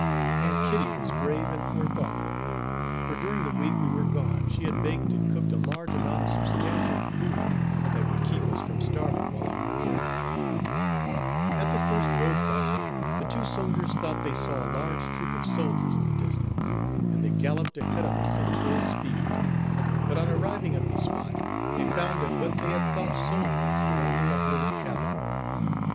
Aunt Kitty was brave and forethoughtful, for during the week we were gone she had baked and cooked a large amount of substantial food that would keep us from starving while on our journey. At the first road crossing, the two soldiers thought they saw a large troop of soldiers in the distance, and they galloped ahead of us at full speed; but, on arriving at the spot, they found that what they had thought soldiers were only a herd of cattle.